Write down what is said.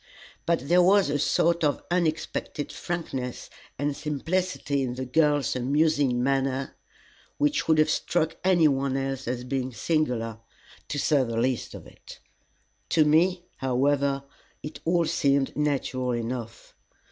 But there was a sort of unexpected frankness and simplicity in the girl's amusing manner which would have struck any one else as being singular, to say the least of it. To me, however, it all seemed natural enough.